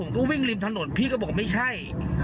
แกโดดข้าวหกให้